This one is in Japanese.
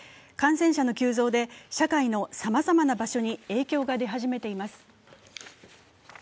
感染者の急増で社会のさまざまな場所に影響が出始めています。